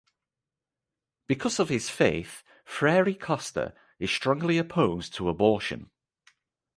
Because of his faith Freire Costa is strongly opposed to abortion.